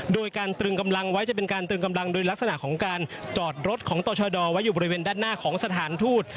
โดยการตรึงกำลังไว้จะเป็นการตรึงกำลังโดยลักษณะของการจอดรถของต่อชะดอไว้อยู่บริเวณด้านหน้าของสถานทูต